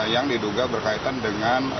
yang diduga berkaitan dengan